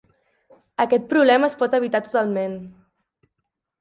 Aquest problema es pot evitar totalment.